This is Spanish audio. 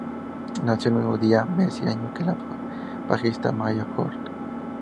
Nació el mismo día, mes y año que la bajista Maya Ford.